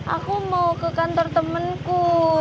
aku mau ke kantor temenku